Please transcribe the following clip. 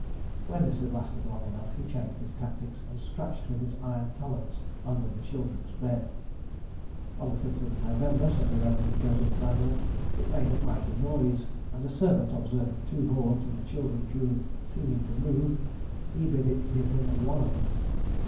When this had lasted long enough, he changed his tactics, and scratched with his iron talons under the children's bed. "On the 5th of November," says the Rev. Joseph Glanvil, "it made a mighty noise; and a servant, observing two boards in the children's room seeming to move, he bid it give him one of them.